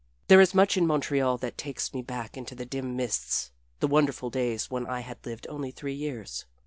There is much in Montreal that takes me back into the dim mists the wonderful days when I had lived only three years.